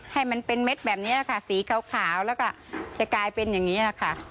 ให้มันเป็นเม็ดแบบนี้ค่ะสีขาวแล้วก็จะกลายเป็นอย่างนี้แหละค่ะ